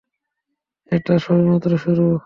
এটা সবেমাত্র শুরু।